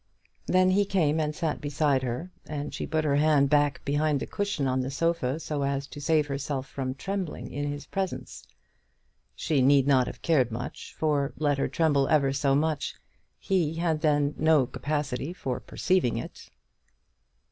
Then he came and sat beside her, and she put her hand back behind the cushion on the sofa so as to save herself from trembling in his presence. She need not have cared much, for, let her tremble ever so much, he had then no capacity for perceiving it.